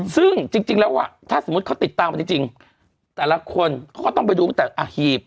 ซึ่งจริงแล้วถ้าสมมุติเขาติดตามกันจริงแต่ละคนเขาก็ต้องไปดูตั้งแต่อาหีบ